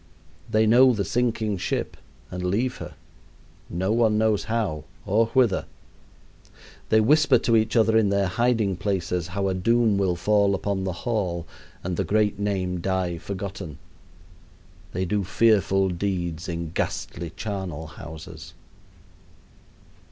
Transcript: They know the sinking ship and leave her, no one knows how or whither. They whisper to each other in their hiding places how a doom will fall upon the hall and the great name die forgotten. They do fearful deeds in ghastly charnel houses.